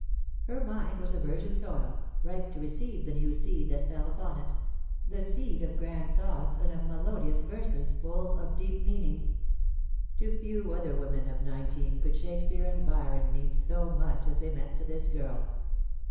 Her mind was a virgin soil, ripe to receive the new seed that fell upon it — the seed of grand thoughts and of melodious versea full of deep meaning. To few other young women of nineteen could Shakespeare and Byron mean so much as they meant to this girl.